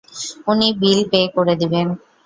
উনি bill pay করে দিবেন।